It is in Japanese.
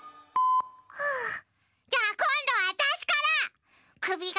じゃあこんどはわたしから！